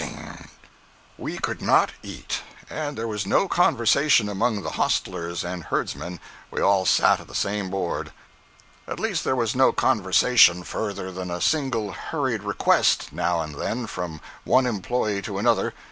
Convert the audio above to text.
jpg (40K) We could not eat, and there was no conversation among the hostlers and herdsmen—we all sat at the same board. At least there was no conversation further than a single hurried request, now and then, from one employee to another.